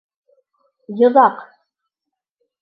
Йоҙаҡ!